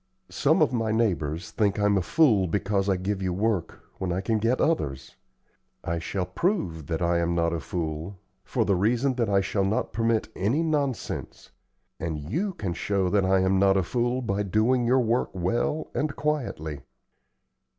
Some of my neighbors think I'm a fool because I give you work when I can get others. I shall prove that I am not a fool, for the reason that I shall not permit any nonsense, and you can show that I am not a fool by doing your work well and quietly.